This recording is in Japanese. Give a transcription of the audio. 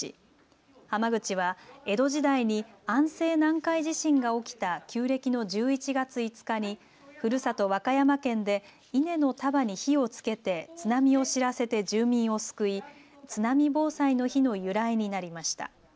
濱口は江戸時代に安政南海地震が起きた旧暦の１１月５日にふるさと和歌山県で稲の束に火をつけて津波を知らせて住民を救い、津波防災の日の由来になりました。